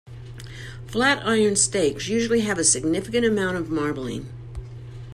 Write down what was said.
Flat iron steaks usually have a significant amount of marbling.